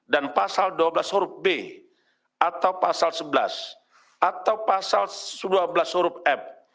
dan pasal dua belas huruf b atau pasal sebelas atau pasal dua belas huruf f